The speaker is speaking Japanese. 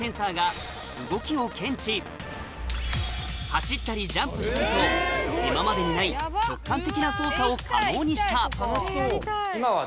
走ったりジャンプしたりと今までにない直感的な操作を可能にした今は。